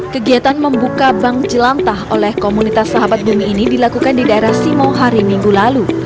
kegiatan membuka bank jelantah oleh komunitas sahabat bumi ini dilakukan di daerah simo hari minggu lalu